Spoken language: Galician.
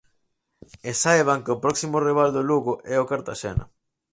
E saiban que o próximo rival do Lugo é o Cartaxena.